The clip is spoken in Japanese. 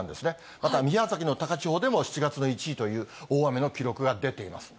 また宮崎の高千穂でも７月の１位という大雨の記録が出ています。